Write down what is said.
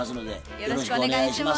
よろしくお願いします。